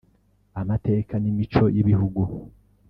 amateka n’imico y’ibihugu